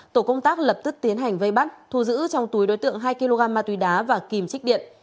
tổ công tác lập tức tiến hành vây bắt thu giữ trong túi đối tượng hai kg ma túy đá và kìm trích điện